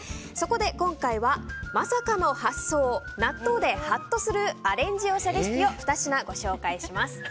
そこで今回はまさかの発想納豆でハッとするアレンジおしゃレシピを２品ご紹介します。